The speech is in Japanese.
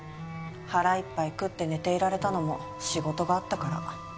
腹いっぱい食って寝ていられたのも仕事があったから。